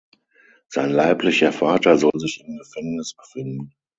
Sein leiblicher Vater soll sich im Gefängnis befinden.